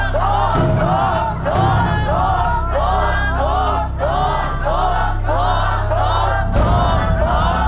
ถูกถูกถูก